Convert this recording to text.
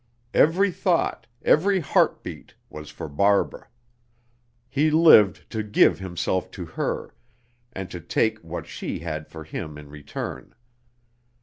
Every thought, every heart beat was for Barbara. He lived to give himself to her, and to take what she had for him in return.